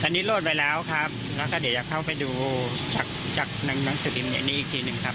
ตอนนี้โหลดไปแล้วครับเราก็เดี๋ยวเข้ากันไปดูจากนังสือพิมพ์อีกทีนึงครับ